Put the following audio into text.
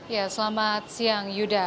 ya selamat siang yuda